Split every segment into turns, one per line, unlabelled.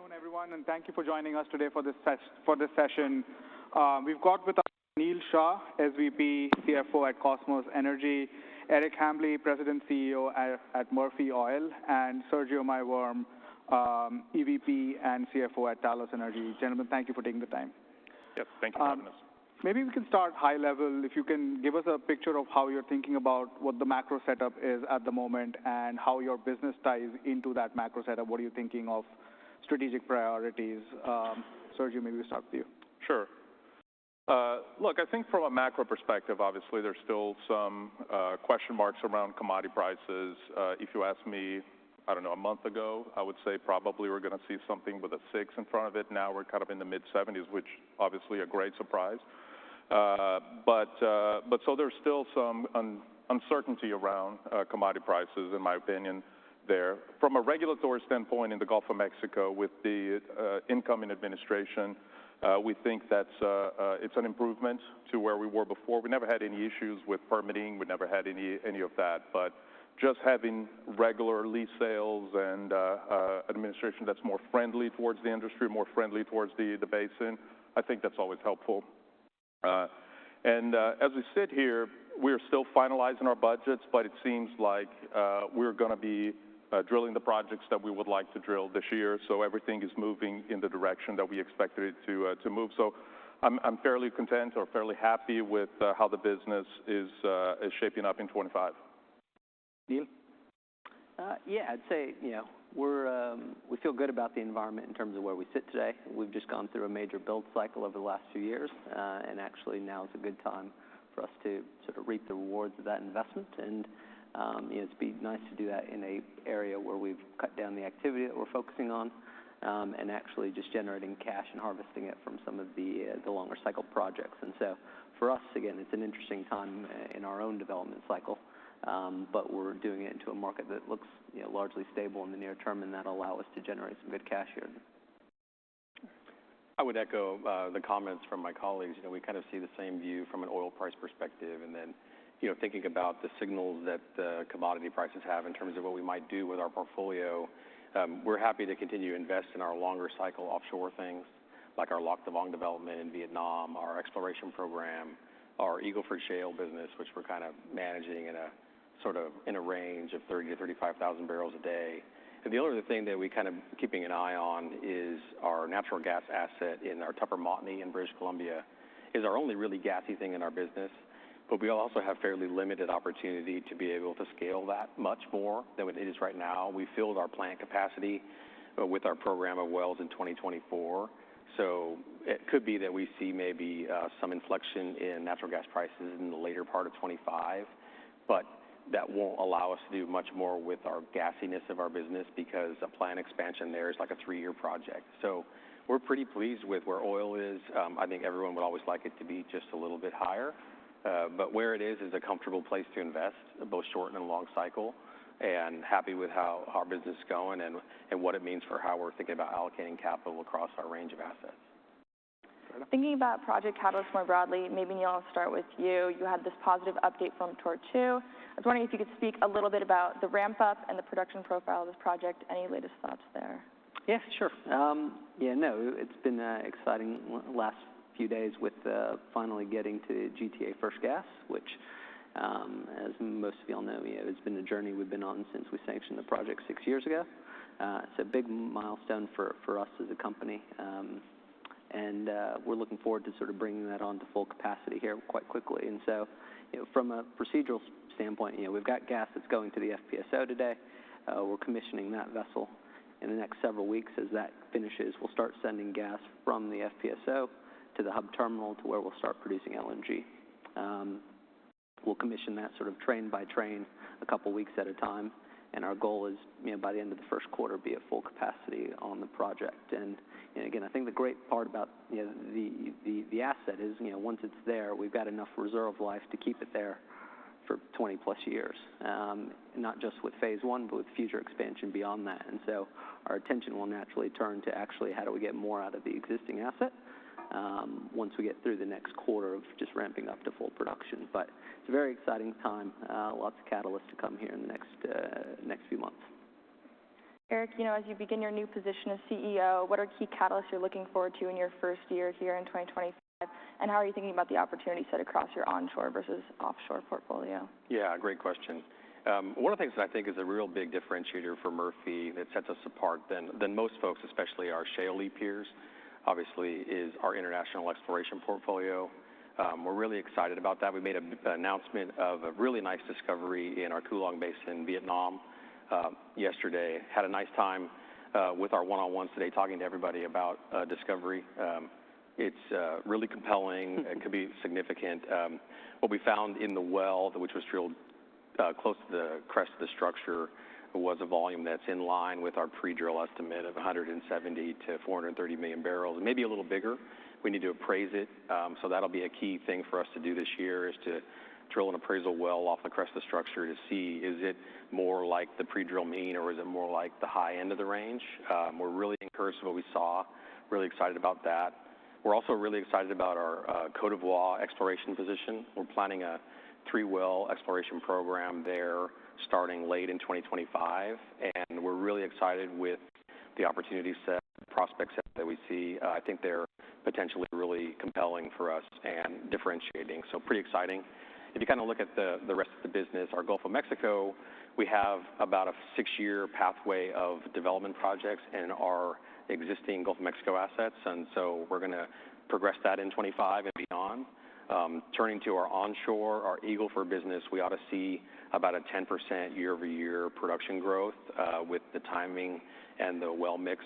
Good afternoon, everyone, and thank you for joining us today for this session. We've got with us Neal Shah, SVP and CFO at Kosmos Energy, Eric Hambly, President and CEO at Murphy Oil, and Sergio Maiworm, EVP and CFO at Talos Energy. Gentlemen, thank you for taking the time.
Yep, thank you for having us. Maybe we can start high level. If you can give us a picture of how you're thinking about what the macro setup is at the moment and how your business ties into that macro setup, what are you thinking of strategic priorities? Sergio, maybe we'll start with you. Sure. Look, I think from a macro perspective, obviously there's still some question marks around commodity prices. If you ask me, I don't know, a month ago, I would say probably we're going to see something with a six in front of it. Now we're kind of in the mid-seventies, which obviously is a great surprise. But so there's still some uncertainty around commodity prices, in my opinion, there. From a regulatory standpoint in the Gulf of Mexico with the incoming administration, we think that it's an improvement to where we were before. We never had any issues with permitting. We never had any of that. But just having regular lease sales and administration that's more friendly towards the industry, more friendly towards the basin, I think that's always helpful. And as we sit here, we are still finalizing our budgets, but it seems like we're going to be drilling the projects that we would like to drill this year. So everything is moving in the direction that we expected it to move. So I'm fairly content or fairly happy with how the business is shaping up in 2025. Neal?
Yeah, I'd say, you know, we feel good about the environment in terms of where we sit today. We've just gone through a major build cycle over the last few years, and actually now is a good time for us to sort of reap the rewards of that investment. And it'd be nice to do that in an area where we've cut down the activity that we're focusing on and actually just generating cash and harvesting it from some of the longer cycle projects. And so for us, again, it's an interesting time in our own development cycle, but we're doing it into a market that looks largely stable in the near term, and that'll allow us to generate some good cash here.
I would echo the comments from my colleagues. You know, we kind of see the same view from an oil price perspective, and then, you know, thinking about the signals that the commodity prices have in terms of what we might do with our portfolio, we're happy to continue to invest in our longer cycle offshore things like our Lac Da Vang development in Vietnam, our exploration program, our Eagle Ford Shale business, which we're kind of managing in a sort of in a range of 30,000-35,000 barrels a day. And the other thing that we're kind of keeping an eye on is our natural gas asset in our Tupper Montney in British Columbia is our only really gassy thing in our business, but we also have fairly limited opportunity to be able to scale that much more than it is right now. We filled our plant capacity with our program of wells in 2024. So it could be that we see maybe some inflection in natural gas prices in the later part of 2025, but that won't allow us to do much more with our gassiness of our business because a plant expansion there is like a three-year project. So we're pretty pleased with where oil is. I think everyone would always like it to be just a little bit higher. But where it is is a comfortable place to invest, both short and long cycle, and happy with how our business is going and what it means for how we're thinking about allocating capital across our range of assets. Thinking about project catalysts more broadly, maybe Neal, I'll start with you. You had this positive update from Tortue. I was wondering if you could speak a little bit about the ramp-up and the production profile of this project. Any latest thoughts there?
Yeah, sure. Yeah, no, it's been exciting the last few days with finally getting to GTA First Gas, which, as most of you all know, it's been the journey we've been on since we sanctioned the project six years ago. It's a big milestone for us as a company, and we're looking forward to sort of bringing that on to full capacity here quite quickly, and so from a procedural standpoint, you know, we've got gas that's going to the FPSO today. We're commissioning that vessel in the next several weeks. As that finishes, we'll start sending gas from the FPSO to the hub terminal to where we'll start producing LNG. We'll commission that sort of train by train a couple of weeks at a time, and our goal is, you know, by the end of the first quarter, be at full capacity on the project. Again, I think the great part about the asset is, you know, once it's there, we've got enough reserve life to keep it there for 20 plus years, not just with Phase I, but with future expansion beyond that. So our attention will naturally turn to actually how do we get more out of the existing asset once we get through the next quarter of just ramping up to full production. It's a very exciting time. Lots of catalysts to come here in the next few months. Eric, you know, as you begin your new position as CEO, what are key catalysts you're looking forward to in your first year here in 2025? And how are you thinking about the opportunities set across your onshore versus offshore portfolio?
Yeah, great question. One of the things that I think is a real big differentiator for Murphy that sets us apart from most folks, especially our shale players, obviously, is our international exploration portfolio. We're really excited about that. We made an announcement of a really nice discovery in our Cuu Long Basin, Vietnam, yesterday. Had a nice time with our one-on-ones today talking to everybody about discovery. It's really compelling. It could be significant. What we found in the well, which was drilled close to the crest of the structure, was a volume that's in line with our pre-drill estimate of 170-430 million barrels, maybe a little bigger. We need to appraise it. So that'll be a key thing for us to do this year is to drill an appraisal well off the crest of the structure to see is it more like the pre-drill mean or is it more like the high end of the range. We're really encouraged by what we saw. Really excited about that. We're also really excited about our Côte d'Ivoire exploration position. We're planning a three-well exploration program there starting late in 2025. And we're really excited with the opportunity set, prospect set that we see. I think they're potentially really compelling for us and differentiating. So pretty exciting. If you kind of look at the rest of the business, our Gulf of Mexico, we have about a six-year pathway of development projects in our existing Gulf of Mexico assets. And so we're going to progress that in 2025 and beyond. Turning to our onshore, our Eagle Ford business, we ought to see about a 10% year-over-year production growth with the timing and the well mix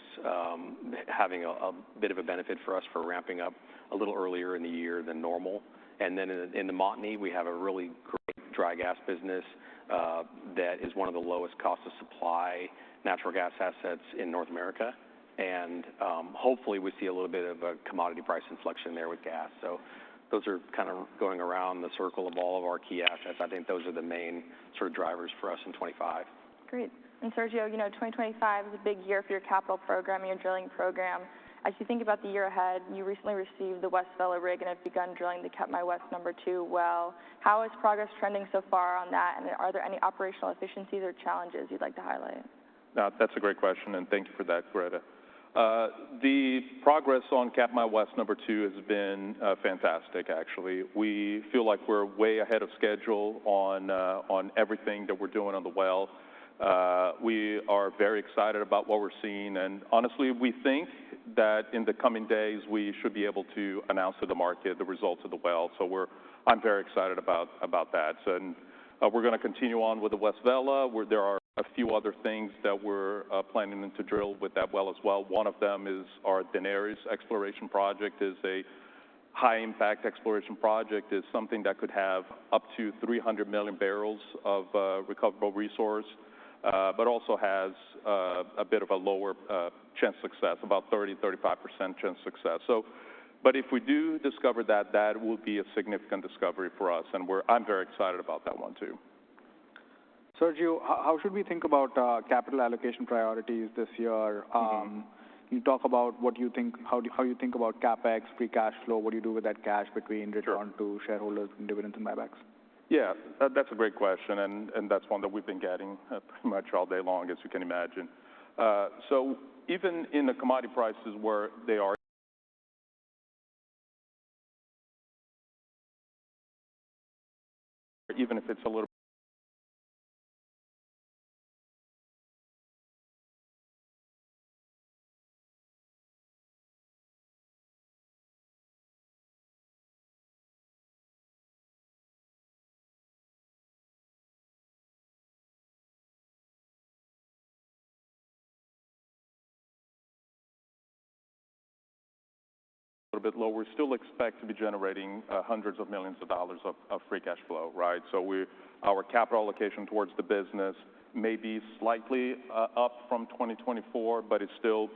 having a bit of a benefit for us for ramping up a little earlier in the year than normal. And then in the Montney, we have a really great dry gas business that is one of the lowest cost of supply natural gas assets in North America. And hopefully we see a little bit of a commodity price inflection there with gas. So those are kind of going around the circle of all of our key assets. I think those are the main sort of drivers for us in 2025. Great. And Sergio, you know, 2025 is a big year for your capital program and your drilling program. As you think about the year ahead, you recently received the West Vela rig and have begun drilling the Katmai West number two well. How is progress trending so far on that? And are there any operational efficiencies or challenges you'd like to highlight?
That's a great question, and thank you for that, Greta. The progress on Katmai West number two has been fantastic, actually. We feel like we're way ahead of schedule on everything that we're doing on the well. We are very excited about what we're seeing, and honestly, we think that in the coming days we should be able to announce to the market the results of the well, so I'm very excited about that, and we're going to continue on with the West Vela. There are a few other things that we're planning to drill with that well as well. One of them is our Daenerys exploration project. It's a high-impact exploration project. It's something that could have up to 300 million barrels of recoverable resource, but also has a bit of a lower chance of success, about 30%-35% chance of success. But if we do discover that, that will be a significant discovery for us. And I'm very excited about that one too. Sergio, how should we think about capital allocation priorities this year? Can you talk about what you think, how you think about CapEx, free cash flow, what do you do with that cash between return to shareholders and dividends and buybacks? Yeah, that's a great question, and that's one that we've been getting pretty much all day long, as you can imagine, so even in the commodity prices where they are, even if it's a little lower, we still expect to be generating hundreds of millions of free cash flow, right, so our capital allocation towards the business may be slightly up from 2024, but it's still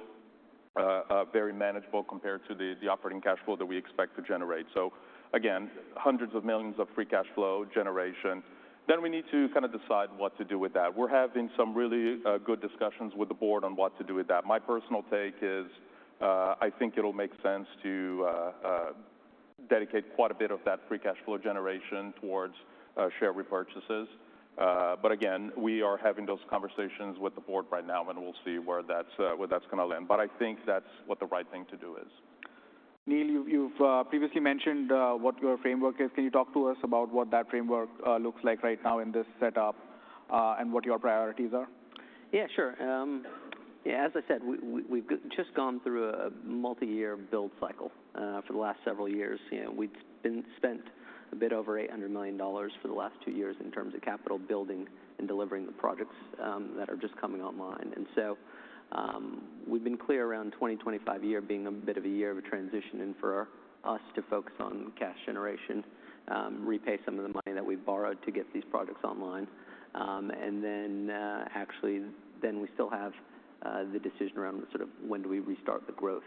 very manageable compared to the operating cash flow that we expect to generate, so again, hundreds of millions of free cash flow generation, then we need to kind of decide what to do with that. We're having some really good discussions with the board on what to do with that. My personal take is I think it'll make sense to dedicate quite a bit of that free cash flow generation towards share repurchases. But again, we are having those conversations with the board right now, and we'll see where that's going to land. But I think that's what the right thing to do is. Neal, you've previously mentioned what your framework is. Can you talk to us about what that framework looks like right now in this setup and what your priorities are?
Yeah, sure. Yeah, as I said, we've just gone through a multi-year build cycle for the last several years. We've spent a bit over $800 million for the last two years in terms of capital building and delivering the projects that are just coming online. And so we've been clear around 2025 year being a bit of a year of a transition for us to focus on cash generation, repay some of the money that we borrowed to get these projects online. And then actually, then we still have the decision around sort of when do we restart the growth.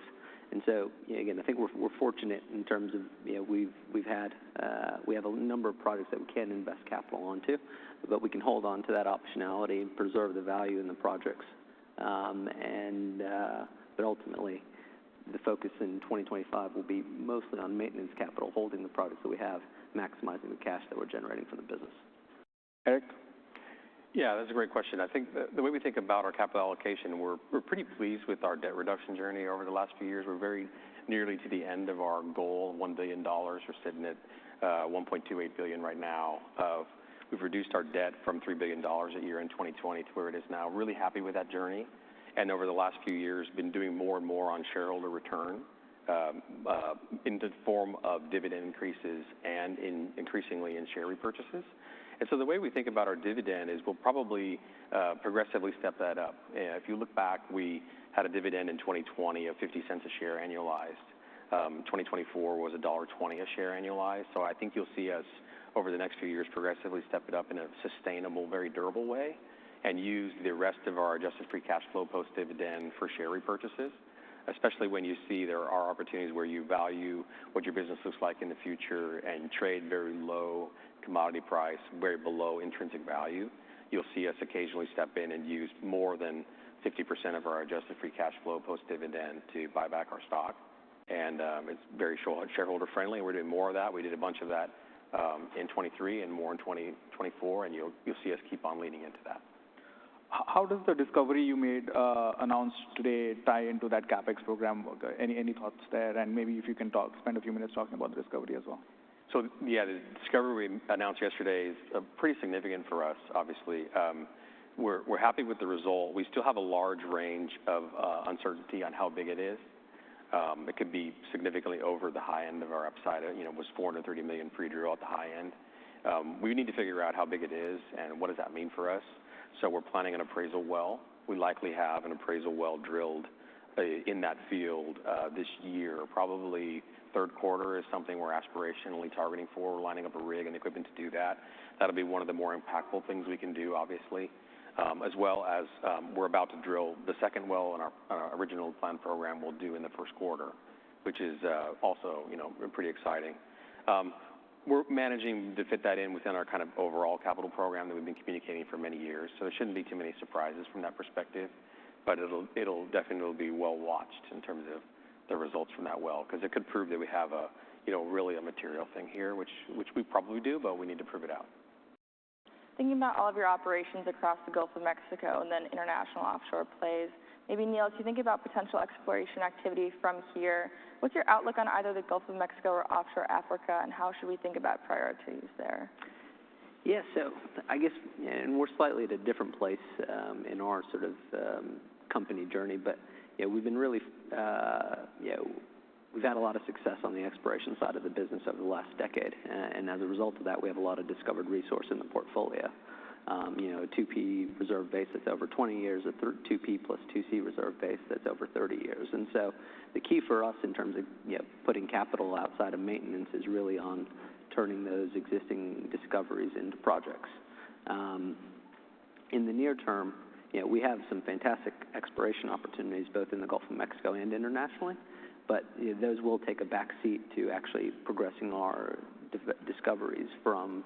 And so again, I think we're fortunate in terms of we've had, we have a number of projects that we can invest capital onto, but we can hold on to that optionality and preserve the value in the projects. But ultimately, the focus in 2025 will be mostly on maintenance capital, holding the products that we have, maximizing the cash that we're generating from the business. Eric?
Yeah, that's a great question. I think the way we think about our capital allocation, we're pretty pleased with our debt reduction journey over the last few years. We're very nearly to the end of our goal, $1 billion. We're sitting at $1.28 billion right now. We've reduced our debt from $3 billion a year in 2020 to where it is now. Really happy with that journey, and over the last few years, been doing more and more on shareholder return in the form of dividend increases and increasingly in share repurchases. And so the way we think about our dividend is we'll probably progressively step that up. If you look back, we had a dividend in 2020 of $0.50 a share annualized. 2024 was $1.20 a share annualized. So, I think you'll see us over the next few years progressively step it up in a sustainable, very durable way and use the rest of our adjusted free cash flow post-dividend for share repurchases, especially when you see there are opportunities where you value what your business looks like in the future and trade very low commodity price, very below intrinsic value. You'll see us occasionally step in and use more than 50% of our adjusted free cash flow post-dividend to buy back our stock. And it's very shareholder friendly. We're doing more of that. We did a bunch of that in 2023 and more in 2024. And you'll see us keep on leaning into that. How does the discovery you made, announced today, tie into that CapEx program? Any thoughts there? And maybe if you can spend a few minutes talking about the discovery as well. So yeah, the discovery we announced yesterday is pretty significant for us, obviously. We're happy with the result. We still have a large range of uncertainty on how big it is. It could be significantly over the high end of our upside. It was 430 million pre-drill at the high end. We need to figure out how big it is and what does that mean for us. So we're planning an appraisal well. We likely have an appraisal well drilled in that field this year. Probably third quarter is something we're aspirationally targeting for. We're lining up a rig and equipment to do that. That'll be one of the more impactful things we can do, obviously, as well as we're about to drill the second well in our original planned program we'll do in the first quarter, which is also pretty exciting. We're managing to fit that in within our kind of overall capital program that we've been communicating for many years. So there shouldn't be too many surprises from that perspective, but it'll definitely be well watched in terms of the results from that well because it could prove that we have a really material thing here, which we probably do, but we need to prove it out. Thinking about all of your operations across the Gulf of Mexico and then international offshore plays, maybe Neal, if you think about potential exploration activity from here, what's your outlook on either the Gulf of Mexico or offshore Africa and how should we think about priorities there?
Yeah, so I guess we're slightly at a different place in our sort of company journey, but we've been really, we've had a lot of success on the exploration side of the business over the last decade. And as a result of that, we have a lot of discovered resource in the portfolio. A 2P reserve base that's over 20 years, a 2P plus 2C reserve base that's over 30 years. And so the key for us in terms of putting capital outside of maintenance is really on turning those existing discoveries into projects. In the near term, we have some fantastic exploration opportunities both in the Gulf of Mexico and internationally, but those will take a backseat to actually progressing our discoveries from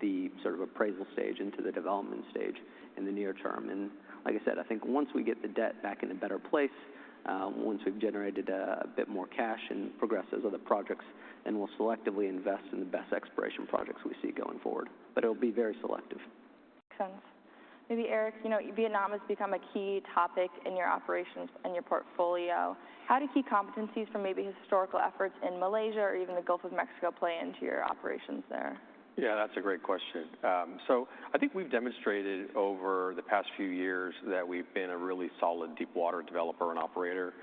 the sort of appraisal stage into the development stage in the near term. Like I said, I think once we get the debt back in a better place, once we've generated a bit more cash and progress those other projects, then we'll selectively invest in the best exploration projects we see going forward, but it'll be very selective. Makes sense. Maybe Eric, you know, Vietnam has become a key topic in your operations and your portfolio. How do key competencies from maybe historical efforts in Malaysia or even the Gulf of Mexico play into your operations there?
Yeah, that's a great question. So I think we've demonstrated over the past few years that we've been a really solid deep water developer and operator.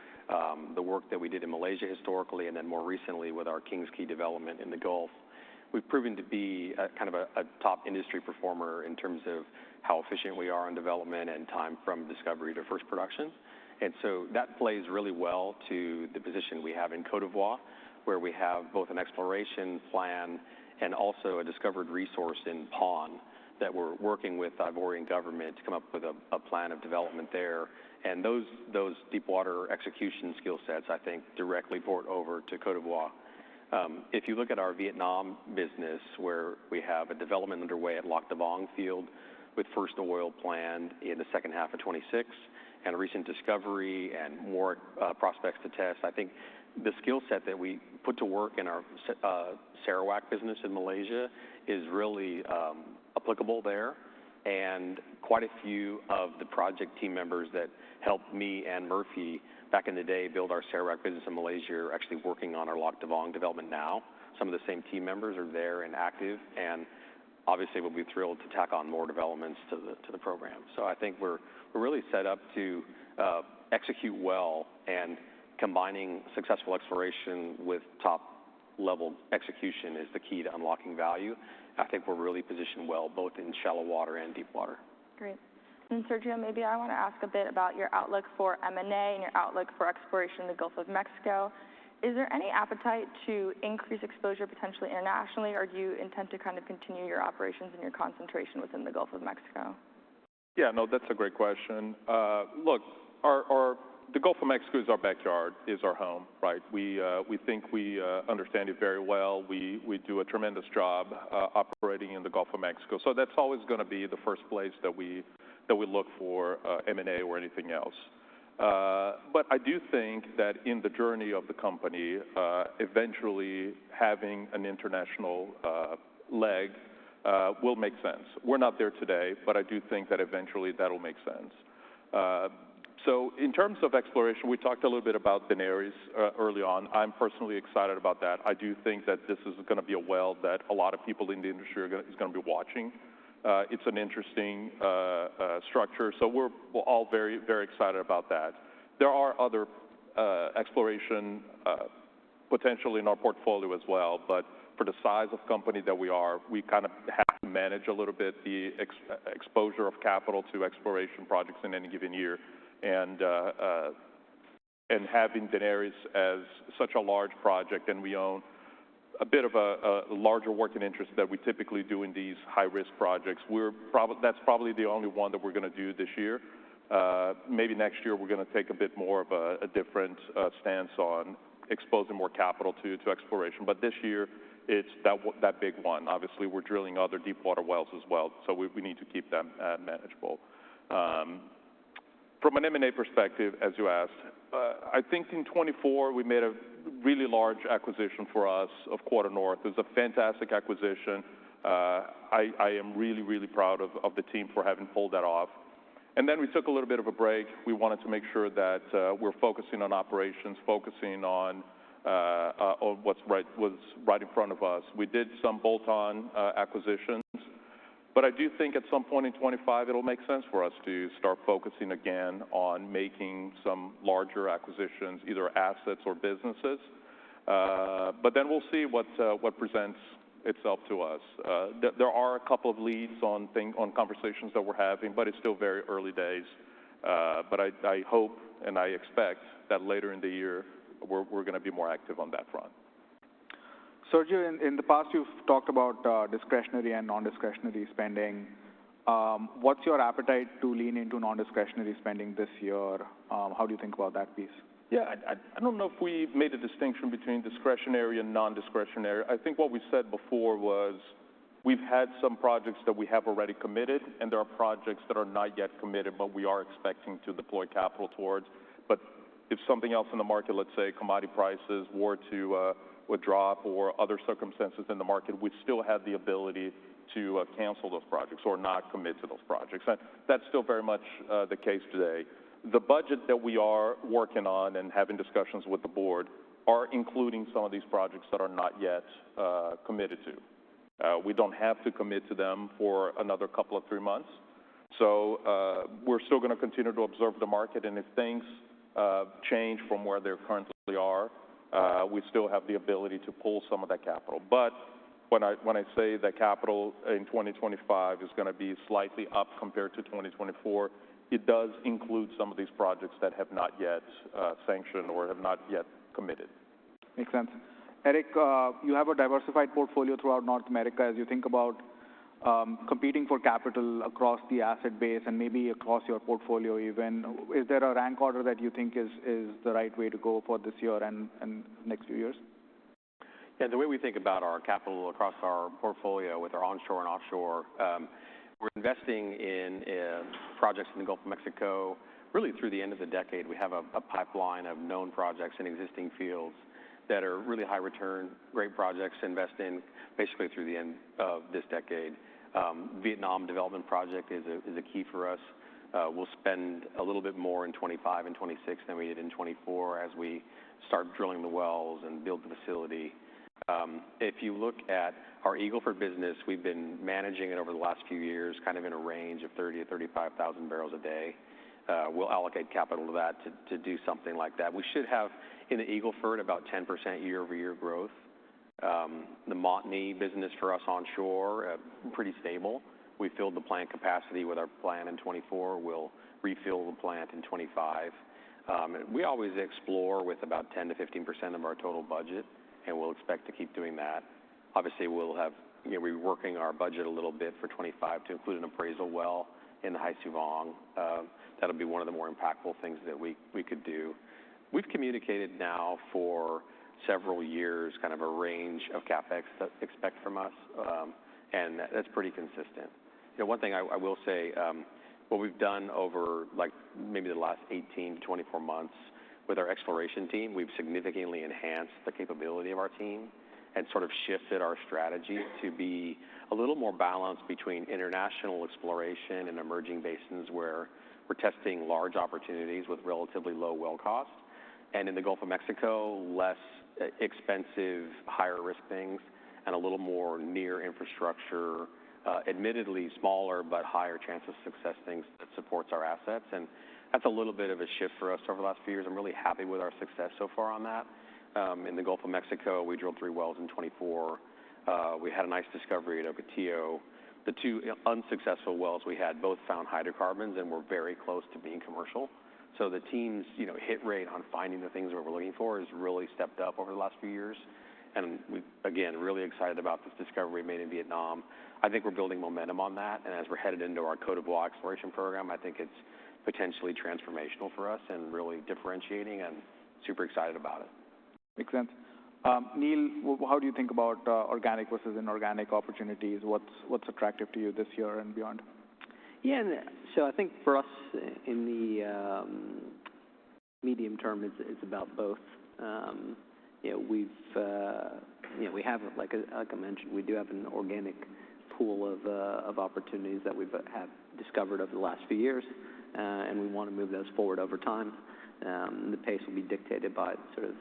The work that we did in Malaysia historically and then more recently with our King's Quay development in the Gulf, we've proven to be kind of a top industry performer in terms of how efficient we are on development and time from discovery to first production. And so that plays really well to the position we have in Côte d'Ivoire, where we have both an exploration plan and also a discovered resource in Paon that we're working with Ivorian government to come up with a plan of development there. And those deep water execution skill sets, I think, directly port over to Côte d'Ivoire. If you look at our Vietnam business, where we have a development underway at Lac Da Vang field with first oil planned in the second half of 2026 and a recent discovery and more prospects to test, I think the skill set that we put to work in our Sarawak business in Malaysia is really applicable there. And quite a few of the project team members that helped me and Murphy back in the day build our Sarawak business in Malaysia are actually working on our Lac Da Vang development now. Some of the same team members are there and active. And obviously, we'll be thrilled to tack on more developments to the program. So I think we're really set up to execute well and combining successful exploration with top-level execution is the key to unlocking value. I think we're really positioned well both in shallow water and deep water. Great. And Sergio, maybe I want to ask a bit about your outlook for M&A and your outlook for exploration in the Gulf of Mexico. Is there any appetite to increase exposure potentially internationally, or do you intend to kind of continue your operations and your concentration within the Gulf of Mexico?
Yeah, no, that's a great question. Look, the Gulf of Mexico is our backyard, is our home, right? We think we understand it very well. We do a tremendous job operating in the Gulf of Mexico, so that's always going to be the first place that we look for M&A or anything else, but I do think that in the journey of the company, eventually having an international leg will make sense. We're not there today, but I do think that eventually that'll make sense, so in terms of exploration, we talked a little bit about Daenerys early on. I'm personally excited about that. I do think that this is going to be a well that a lot of people in the industry are going to be watching. It's an interesting structure, so we're all very, very excited about that. There are other exploration potentially in our portfolio as well, but for the size of company that we are, we kind of have to manage a little bit the exposure of capital to exploration projects in any given year. Having Daenerys as such a large project, and we own a bit of a larger working interest that we typically do in these high-risk projects, that's probably the only one that we're going to do this year. Maybe next year, we're going to take a bit more of a different stance on exposing more capital to exploration. This year, it's that big one. Obviously, we're drilling other deepwater wells as well. We need to keep them manageable. From an M&A perspective, as you asked, I think in 2024, we made a really large acquisition for us of QuarterNorth. It was a fantastic acquisition. I am really, really proud of the team for having pulled that off, and then we took a little bit of a break. We wanted to make sure that we're focusing on operations, focusing on what's right in front of us. We did some bolt-on acquisitions, but I do think at some point in 2025, it'll make sense for us to start focusing again on making some larger acquisitions, either assets or businesses, but then we'll see what presents itself to us. There are a couple of leads on conversations that we're having, but it's still very early days, but I hope and I expect that later in the year, we're going to be more active on that front. Sergio, in the past, you've talked about discretionary and non-discretionary spending. What's your appetite to lean into non-discretionary spending this year? How do you think about that piece? Yeah, I don't know if we made a distinction between discretionary and non-discretionary. I think what we said before was we've had some projects that we have already committed, and there are projects that are not yet committed, but we are expecting to deploy capital towards. But if something else in the market, let's say commodity prices were to drop or other circumstances in the market, we still have the ability to cancel those projects or not commit to those projects. And that's still very much the case today. The budget that we are working on and having discussions with the board are including some of these projects that are not yet committed to. We don't have to commit to them for another couple of three months. So we're still going to continue to observe the market. If things change from where they currently are, we still have the ability to pull some of that capital. When I say that capital in 2025 is going to be slightly up compared to 2024, it does include some of these projects that have not yet sanctioned or have not yet committed. Makes sense. Eric, you have a diversified portfolio throughout North America. As you think about competing for capital across the asset base and maybe across your portfolio even, is there a rank order that you think is the right way to go for this year and next few years?
Yeah, the way we think about our capital across our portfolio with our onshore and offshore, we're investing in projects in the Gulf of Mexico really through the end of the decade. We have a pipeline of known projects in existing fields that are really high-return, great projects to invest in basically through the end of this decade. Vietnam development project is a key for us. We'll spend a little bit more in 2025 and 2026 than we did in 2024 as we start drilling the wells and build the facility. If you look at our Eagle Ford business, we've been managing it over the last few years kind of in a range of 30,000-35,000 barrels a day. We'll allocate capital to that to do something like that. We should have in the Eagle Ford about 10% year-over-year growth. The Montney business for us onshore, pretty stable. We filled the plant capacity with our plant in 2024. We'll refill the plant in 2025. We always explore with about 10%-15% of our total budget, and we'll expect to keep doing that. Obviously, we'll be working our budget a little bit for 2025 to include an appraisal well in the Hai Su Vang. That'll be one of the more impactful things that we could do. We've communicated now for several years kind of a range of CapEx to expect from us, and that's pretty consistent. One thing I will say, what we've done over maybe the last 18-24 months with our exploration team, we've significantly enhanced the capability of our team and sort of shifted our strategy to be a little more balanced between international exploration and emerging basins where we're testing large opportunities with relatively low well cost. In the Gulf of Mexico, less expensive, higher-risk things and a little more near infrastructure, admittedly smaller, but higher chance of success things that support our assets. That's a little bit of a shift for us over the last few years. I'm really happy with our success so far on that. In the Gulf of Mexico, we drilled three wells in 2024. We had a nice discovery at Ocotillo. The two unsuccessful wells we had both found hydrocarbons and were very close to being commercial. So the team's hit rate on finding the things we were looking for has really stepped up over the last few years. We're, again, really excited about this discovery we made in Vietnam. I think we're building momentum on that. As we're headed into our Côte d'Ivoire exploration program, I think it's potentially transformational for us and really differentiating and super excited about it. Makes sense. Neal, how do you think about organic versus inorganic opportunities? What's attractive to you this year and beyond?
Yeah, so I think for us in the medium term, it's about both. We have, like I mentioned, we do have an organic pool of opportunities that we've discovered over the last few years, and we want to move those forward over time. The pace will be dictated by sort of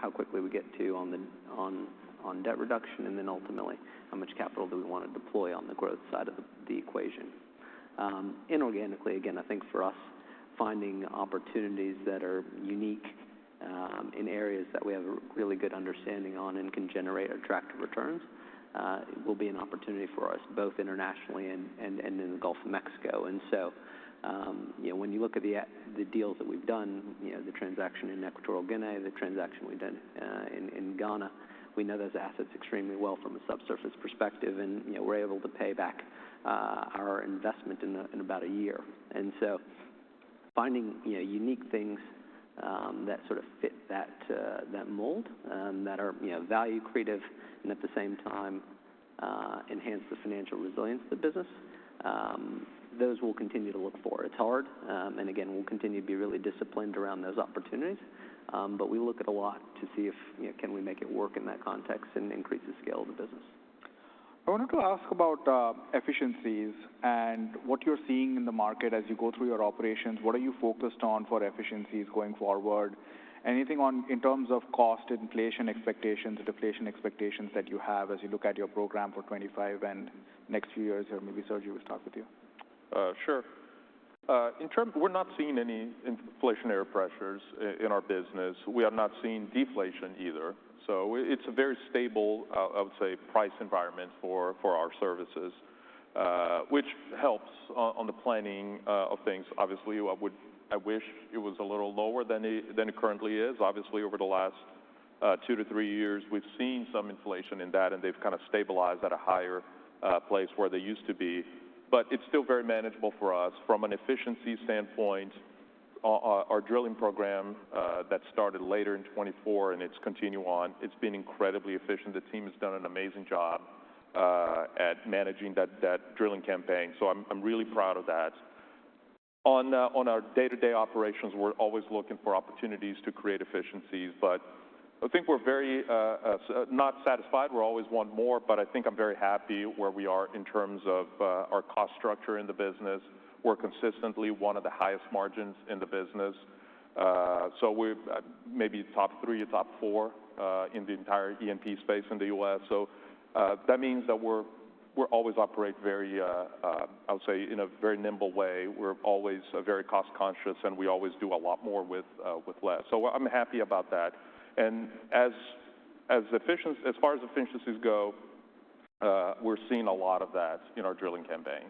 how quickly we get to on debt reduction and then ultimately how much capital do we want to deploy on the growth side of the equation. Inorganically, again, I think for us, finding opportunities that are unique in areas that we have a really good understanding on and can generate attractive returns will be an opportunity for us both internationally and in the Gulf of Mexico. And so when you look at the deals that we've done, the transaction in Equatorial Guinea, the transaction we've done in Ghana, we know those assets extremely well from a subsurface perspective, and we're able to pay back our investment in about a year. And so finding unique things that sort of fit that mold, that are value-creative and at the same time enhance the financial resilience of the business, those we'll continue to look for. It's hard. And again, we'll continue to be really disciplined around those opportunities. But we look at a lot to see if can we make it work in that context and increase the scale of the business. I wanted to ask about efficiencies and what you're seeing in the market as you go through your operations. What are you focused on for efficiencies going forward? Anything in terms of cost inflation expectations or deflation expectations that you have as you look at your program for 2025 and next few years? Or maybe Sergio will start with you.
Sure. We're not seeing any inflationary pressures in our business. We are not seeing deflation either. It's a very stable, I would say, price environment for our services, which helps on the planning of things. Obviously, I wish it was a little lower than it currently is. Obviously, over the last two to three years, we've seen some inflation in that, and they've kind of stabilized at a higher place where they used to be. But it's still very manageable for us. From an efficiency standpoint, our drilling program that started later in 2024 and it's continued on, it's been incredibly efficient. The team has done an amazing job at managing that drilling campaign. So I'm really proud of that. On our day-to-day operations, we're always looking for opportunities to create efficiencies. But I think we're never satisfied. We always want more, but I think I'm very happy where we are in terms of our cost structure in the business. We're consistently one of the highest margins in the business. So we're maybe top three or top four in the entire E&P space in the U.S. So that means that we always operate very, I would say, in a very nimble way. We're always very cost-conscious, and we always do a lot more with less. So I'm happy about that. And as far as efficiencies go, we're seeing a lot of that in our drilling campaign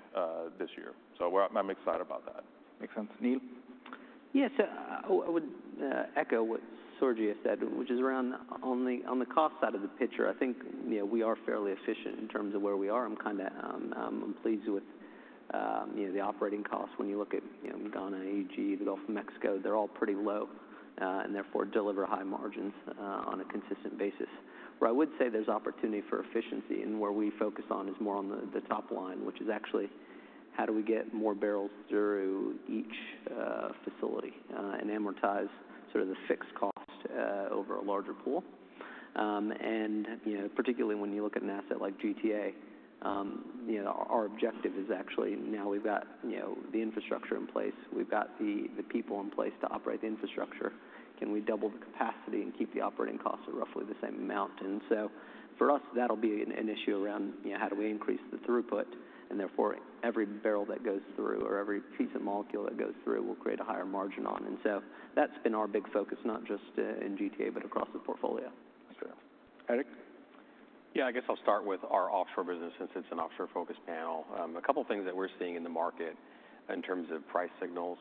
this year. So I'm excited about that. Makes sense. Neal?
Yeah, so I would echo what Sergio said, which is around on the cost side of the picture. I think we are fairly efficient in terms of where we are. I'm kind of pleased with the operating costs when you look at Ghana, EG, the Gulf of Mexico. They're all pretty low and therefore deliver high margins on a consistent basis. Where I would say there's opportunity for efficiency and where we focus on is more on the top line, which is actually how do we get more barrels through each facility and amortize sort of the fixed cost over a larger pool. And particularly when you look at an asset like GTA, our objective is actually, now we've got the infrastructure in place, we've got the people in place to operate the infrastructure, can we double the capacity and keep the operating costs at roughly the same amount? And so for us, that'll be an issue around how do we increase the throughput and therefore every barrel that goes through or every piece of molecule that goes through will create a higher margin on. And so that's been our big focus, not just in GTA, but across the portfolio. That's fair. Eric?
Yeah, I guess I'll start with our offshore business since it's an offshore-focused panel. A couple of things that we're seeing in the market in terms of price signals,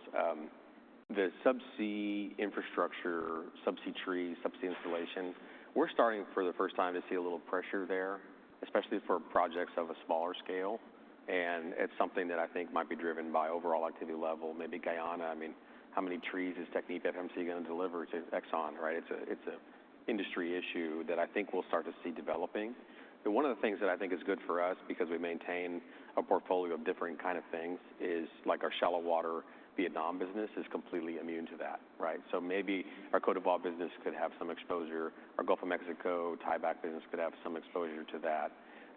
the subsea infrastructure, subsea trees, subsea installation, we're starting for the first time to see a little pressure there, especially for projects of a smaller scale. It's something that I think might be driven by overall activity level, maybe Guyana. I mean, how many trees is TechnipFMC going to deliver to Exxon, right? It's an industry issue that I think we'll start to see developing. One of the things that I think is good for us because we maintain a portfolio of different kind of things is like our shallow water Vietnam business is completely immune to that, right? So maybe our Côte d'Ivoire business could have some exposure. Our Gulf of Mexico tieback business could have some exposure to that.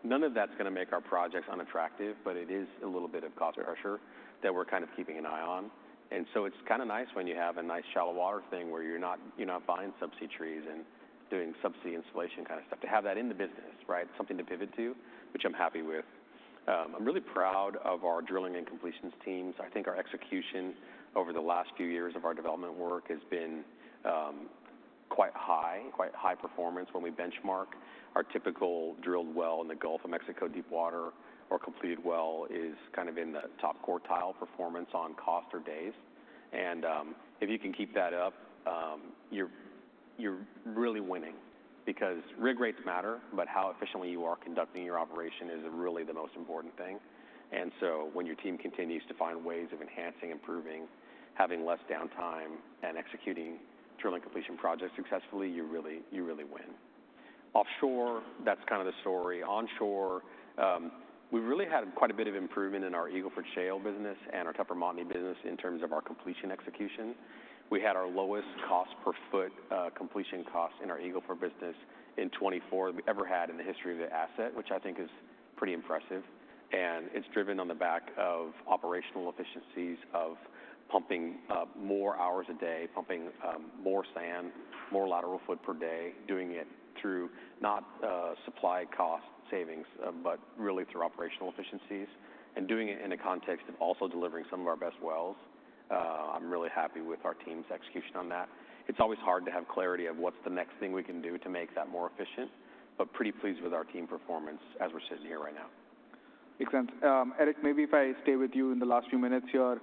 None of that's going to make our projects unattractive, but it is a little bit of cost pressure that we're kind of keeping an eye on, and so it's kind of nice when you have a nice shallow water thing where you're not buying subsea trees and doing subsea installation kind of stuff. To have that in the business, right? Something to pivot to, which I'm happy with. I'm really proud of our drilling and completions teams. I think our execution over the last few years of our development work has been quite high, quite high performance. When we benchmark our typical drilled well in the Gulf of Mexico deep water, or completed well is kind of in the top quartile performance on cost or days. If you can keep that up, you're really winning because rig rates matter, but how efficiently you are conducting your operation is really the most important thing. When your team continues to find ways of enhancing, improving, having less downtime, and executing drilling completion projects successfully, you really win. Offshore, that's kind of the story. Onshore, we've really had quite a bit of improvement in our Eagle Ford Shale business and our Tupper Montney business in terms of our completion execution. We had our lowest cost per foot completion cost in our Eagle Ford business in 2024 that we ever had in the history of the asset, which I think is pretty impressive. It's driven on the back of operational efficiencies of pumping more hours a day, pumping more sand, more lateral foot per day, doing it through not supply cost savings, but really through operational efficiencies and doing it in a context of also delivering some of our best wells. I'm really happy with our team's execution on that. It's always hard to have clarity of what's the next thing we can do to make that more efficient, but pretty pleased with our team performance as we're sitting here right now. Makes sense. Eric, maybe if I stay with you in the last few minutes here,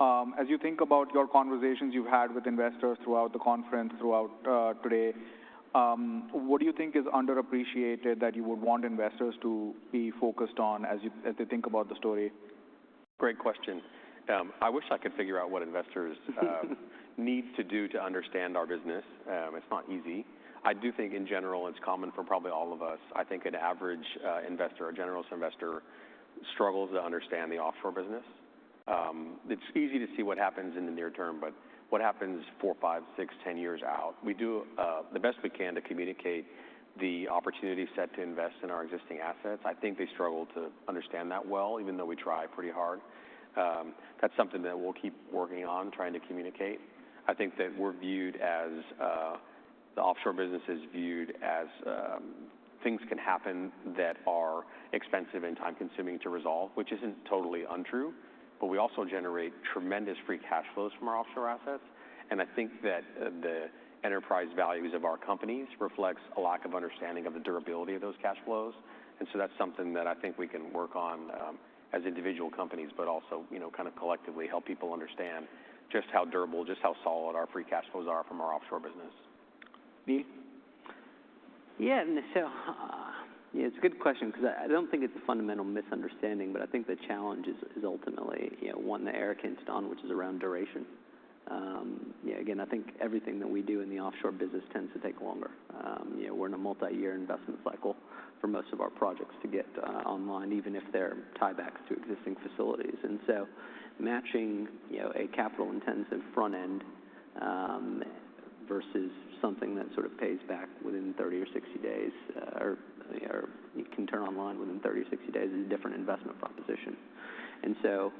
as you think about your conversations you've had with investors throughout the conference, throughout today, what do you think is underappreciated that you would want investors to be focused on as they think about the story? Great question. I wish I could figure out what investors need to do to understand our business. It's not easy. I do think in general, it's common for probably all of us. I think an average investor, a generalist investor struggles to understand the offshore business. It's easy to see what happens in the near term, but what happens four, five, six, ten years out? We do the best we can to communicate the opportunity set to invest in our existing assets. I think they struggle to understand that well, even though we try pretty hard. That's something that we'll keep working on, trying to communicate. I think that we're viewed as the offshore business is viewed as things can happen that are expensive and time-consuming to resolve, which isn't totally untrue, but we also generate tremendous free cash flows from our offshore assets. And I think that the enterprise values of our companies reflects a lack of understanding of the durability of those cash flows. And so that's something that I think we can work on as individual companies, but also kind of collectively help people understand just how durable, just how solid our free cash flows are from our offshore business. Neal?
Yeah, so it's a good question because I don't think it's a fundamental misunderstanding, but I think the challenge is ultimately one that Eric hinted on, which is around duration. Again, I think everything that we do in the offshore business tends to take longer. We're in a multi-year investment cycle for most of our projects to get online, even if they're tiebacks to existing facilities. And so matching a capital-intensive front end versus something that sort of pays back within 30 or 60 days or can turn online within 30 or 60 days is a different investment proposition. And so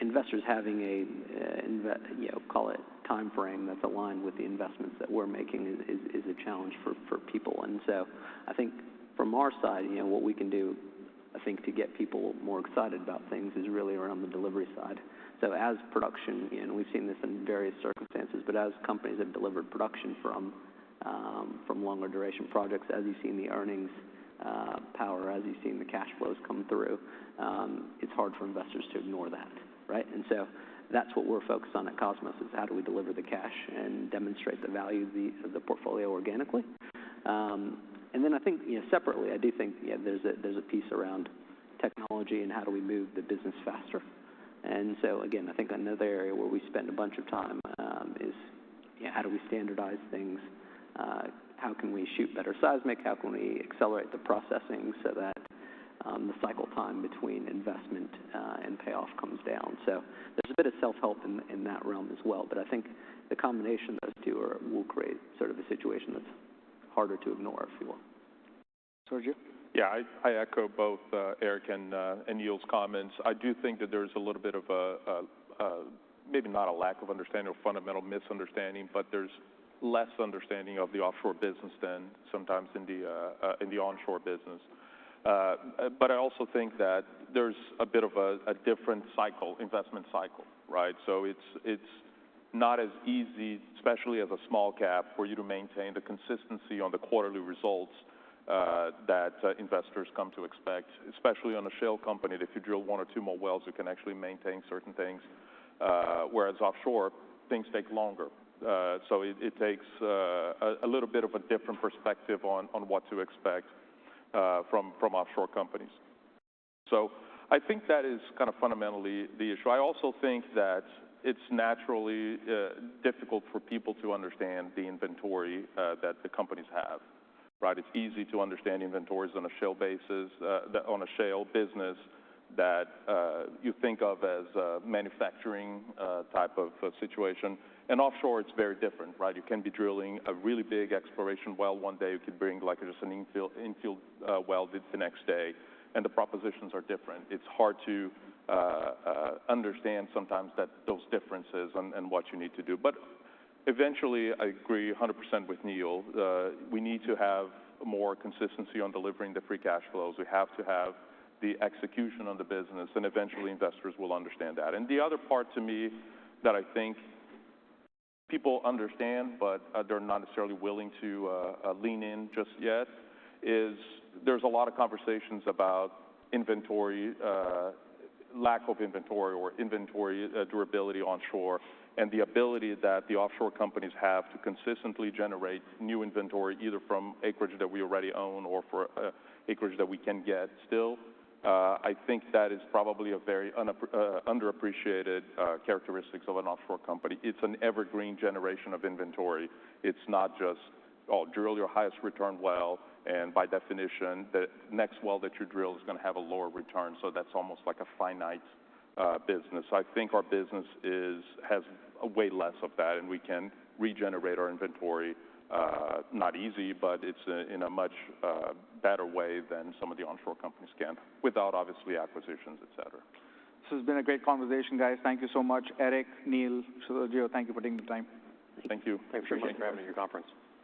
investors having a, call it timeframe that's aligned with the investments that we're making is a challenge for people. And so I think from our side, what we can do, I think to get people more excited about things is really around the delivery side. So as production, and we've seen this in various circumstances, but as companies have delivered production from longer duration projects, as you've seen the earnings power, as you've seen the cash flows come through, it's hard for investors to ignore that, right? And so that's what we're focused on at Kosmos is how do we deliver the cash and demonstrate the value of the portfolio organically. And then I think separately, I do think there's a piece around technology and how do we move the business faster. And so again, I think another area where we spend a bunch of time is how do we standardize things? How can we shoot better seismic? How can we accelerate the processing so that the cycle time between investment and payoff comes down? So there's a bit of self-help in that realm as well. But I think the combination of those two will create sort of a situation that's harder to ignore, if you will. Sergio?
Yeah, I echo both Eric and Neal's comments. I do think that there's a little bit of a, maybe not a lack of understanding or fundamental misunderstanding, but there's less understanding of the offshore business than sometimes in the onshore business. But I also think that there's a bit of a different cycle, investment cycle, right? So it's not as easy, especially as a small cap, for you to maintain the consistency on the quarterly results that investors come to expect, especially on a shale company that if you drill one or two more wells, you can actually maintain certain things. Whereas offshore, things take longer. So it takes a little bit of a different perspective on what to expect from offshore companies. So I think that is kind of fundamentally the issue. I also think that it's naturally difficult for people to understand the inventory that the companies have, right? It's easy to understand inventories on a shale business that you think of as a manufacturing type of situation, and offshore, it's very different, right? You can be drilling a really big exploration well one day. You could bring like just an infield well the next day, and the propositions are different. It's hard to understand sometimes those differences and what you need to do, but eventually, I agree 100% with Neal. We need to have more consistency on delivering the free cash flows. We have to have the execution on the business, and eventually investors will understand that. And the other part to me that I think people understand, but they're not necessarily willing to lean in just yet is there's a lot of conversations about inventory, lack of inventory or inventory durability onshore, and the ability that the offshore companies have to consistently generate new inventory either from acreage that we already own or for acreage that we can get still. I think that is probably a very underappreciated characteristic of an offshore company. It's an evergreen generation of inventory. It's not just, oh, drill your highest return well. And by definition, the next well that you drill is going to have a lower return. So that's almost like a finite business. I think our business has way less of that, and we can regenerate our inventory, not easy, but it's in a much better way than some of the onshore companies can without obviously acquisitions, etc. This has been a great conversation, guys. Thank you so much, Eric, Neal, Sergio. Thank you for taking the time.
Thank you. Thanks for having me on your conference.